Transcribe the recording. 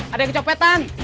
ada yang kecopetan